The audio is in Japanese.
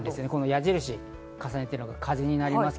矢印を重ねているのが風になります。